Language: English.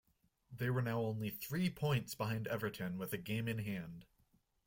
They were now only three points behind Everton with a game in hand.